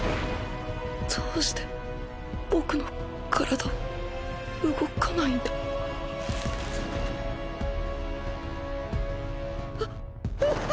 どうして僕の体は動かないんだああっ！